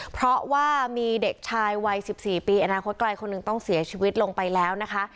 เพราะว่ามีเด็กชายวัย๑๔ปีอนาคตไกลคนหนึ่งต้องเสียชีวิตลงไปแล้วนะคะ